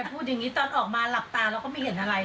พูดอย่างนี้ตอนออกมาหลับตาเราก็ไม่เห็นอะไร